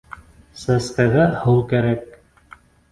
— Сәскәгә һыу кәрәк.